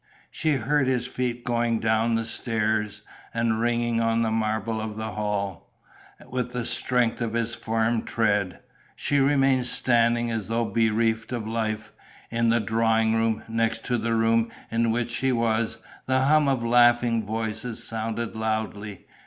She heard his feet going down the stairs and ringing on the marble of the hall, with the strength of his firm tread.... She remained standing as though bereft of life. In the drawing room, next to the room in which she was, the hum of laughing voices sounded loudly.